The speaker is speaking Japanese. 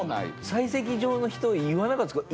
採石場の人言わなかったですか？